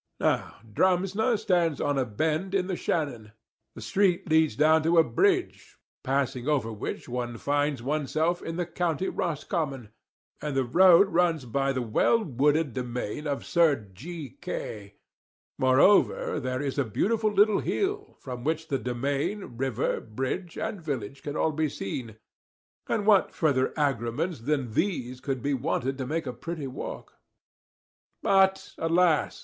Now Drumsna stands on a bend in the Shannon; the street leads down to a bridge, passing over which one finds oneself in the County Roscommon; and the road runs by the well wooded demesne of Sir G K ; moreover there is a beautiful little hill, from which the demesne, river, bridge, and village can all be seen; and what farther agremens than these could be wanted to make a pretty walk? But, alas!